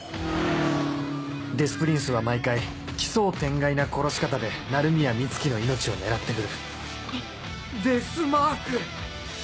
デス・プリンスは毎回奇想天外な殺し方で鳴宮美月の命を狙って来るデス・マーク！